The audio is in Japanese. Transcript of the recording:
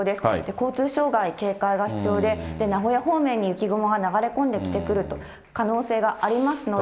交通障害、警戒が必要で、名古屋方面に雪雲が流れ込んでくる可能性がありますので。